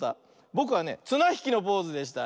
ぼくはねつなひきのポーズでした。